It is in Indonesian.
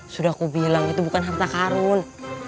sudah aku bilang itu bukan harta karun